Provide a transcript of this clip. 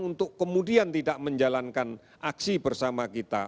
untuk kemudian tidak menjalankan aksi bersama kita